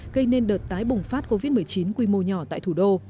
gây nên đợt tái bùng phát covid một mươi chín quy mô nhỏ tại thủ đô